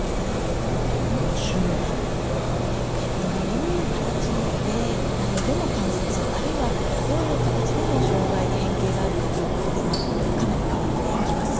どういう形でどの関節あるいはどういう形での障害変形があるかということでかなり変わってきます。